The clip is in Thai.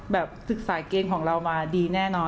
ศึกษาเกณฑ์ของเรามาดีแน่นอน